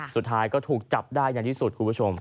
สุดท้ายก็ถูกจับได้ในที่สุดคุณผู้ชม